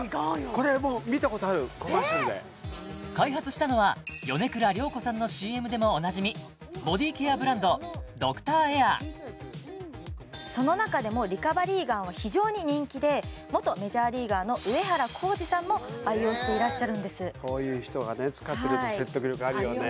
これもう見たことあるコマーシャルで開発したのは米倉涼子さんのＣＭでもおなじみその中でもリカバリーガンは非常に人気で元メジャーリーガーの上原浩治さんも愛用していらっしゃるんですこういう人が使ってると説得力あるよね